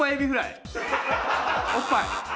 おっぱい。